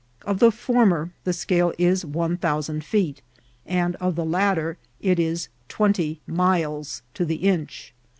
Of the former, the scale is one thousand feet, and of the latter it is twen* ty miles to the inch.